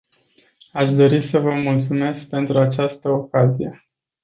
Aș dori să vă mulțumesc pentru această ocazie.